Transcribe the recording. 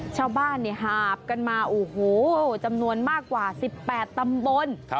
ชาวบ้านหาบกันมาโอ้โหจำนวนมากกว่า๑๘ตำบล